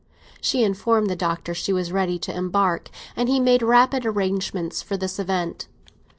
She informed the Doctor she was ready to embark, and he made rapid arrangements for this event.